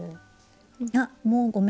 あっもうごめん。